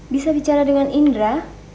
bisa bicara dengan indra